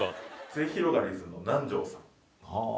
すゑひろがりずの南條さん。はあ。